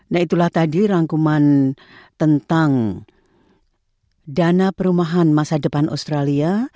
nah itulah tadi rangkuman tentang dana perumahan masa depan australia